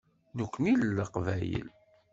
Nekkni d Leqbayel.